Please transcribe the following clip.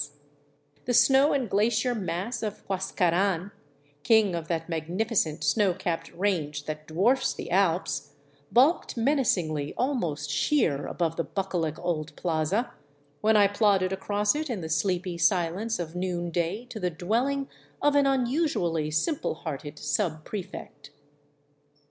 The snow and glacier mass of Huascaran, king of that magnificent snow capped range that dwarfs the Alps, bulked menacingly almost sheer above the bucolic old plaza, when I plodded across it in the sleepy silence of noonday to the dwelling of an unusually simple hearted subprefect.